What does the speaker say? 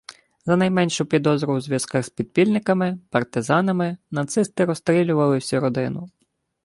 За найменшу підозру у зв'язках з підпільниками, партизанами, нацисти розстрілювали всю родину.